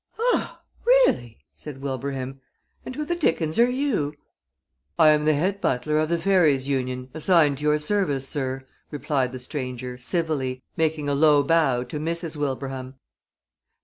"Ah! Really?" said Wilbraham. "And who the dickens are you?" "I am the head butler of the Fairies' Union assigned to your service, sir," replied the stranger, civilly, making a low bow to Mrs. Wilbraham.